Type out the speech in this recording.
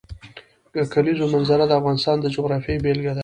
د کلیزو منظره د افغانستان د جغرافیې بېلګه ده.